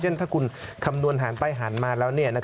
เช่นถ้าคุณคำนวณหารไปหันมาแล้ว